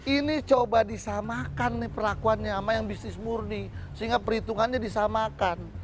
ini coba disamakan nih perlakuannya sama yang bisnis murni sehingga perhitungannya disamakan